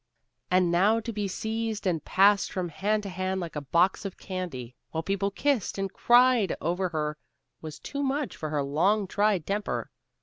And now to be seized and passed from hand to hand like a box of candy, while people kissed and cried over her, was too much for her long tried temper.